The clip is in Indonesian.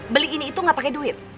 beli ini itu gak pake duit